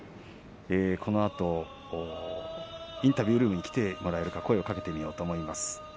このあとインタビュールームに来てもらえるか声をかけてみたいと思います。